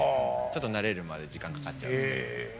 ちょっと慣れるまで時間かかっちゃうっていう。